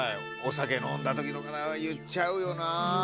お酒飲んだときとか言っちゃうよな。